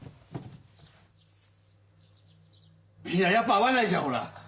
いややっぱ合わないじゃんほら。